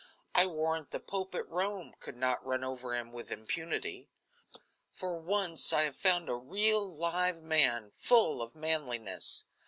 I warrant the pope at Rome could not run over him with impunity. For once I have found a real live man, full of manliness.